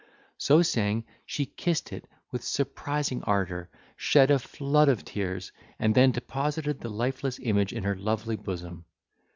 So saying, she kissed it with surprising ardour, shed a flood of tears, and then deposited the lifeless image in her lovely bosom.